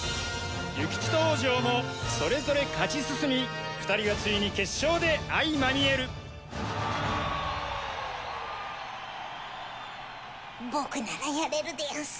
諭吉と王城もそれぞれ勝ち進み２人はついに決勝で相まみえる僕ならやれるでヤンス。